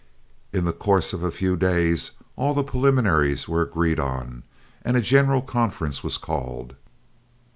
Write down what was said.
In the course of a few days all the preliminaries were agreed on, and a general conference was called.